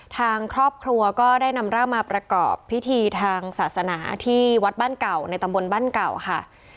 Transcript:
ทางครอบครัวก็ได้นำร่างมาประกอบพิธีทางศาสนาที่วัดบ้านเก่าในตำบลบ้านเก่าค่ะ